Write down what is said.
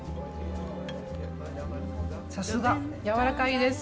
さすが、やわらかいです。